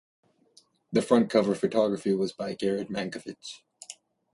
The front cover photography was by Gered Mankowitz.